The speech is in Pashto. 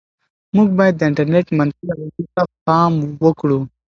موږ باید د انټرنيټ منفي اغېزو ته پام وکړو.